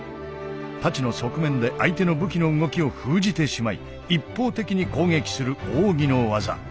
太刀の側面で相手の武器の動きを封じてしまい一方的に攻撃する奥義の技。